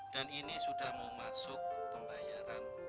dan ini sudah mau masuk pembayaran